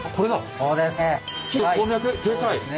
そうですね。